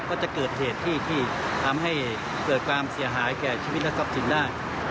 ก็จะเกิดเหตุที่ทำให้เกิดความเสียหายแก่ชีวิตและทรัพย์สินได้